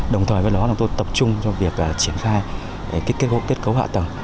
đồng thời với đó chúng tôi tập trung cho việc triển khai kết cấu hạ tầng